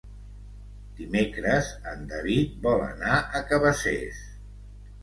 Dimecres en David vol anar a Cabacés.